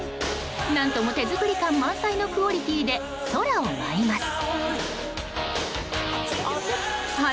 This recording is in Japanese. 何とも手作り感満載のクオリティーで空を舞います。